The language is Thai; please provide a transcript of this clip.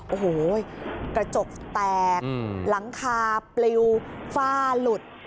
โอ้โหกระจกแตกหลังคาปลิวฝ้าหลุด